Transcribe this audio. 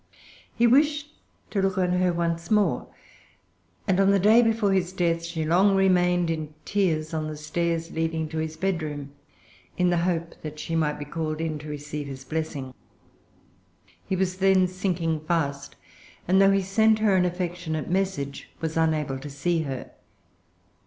He wished to look on her once more; and on the day before his death she long remained in tears on the stairs leading to his bedroom, in the hope that she might be called in to receive his blessing. He was then sinking fast, and though he sent her an affectionate message, was unable to see her.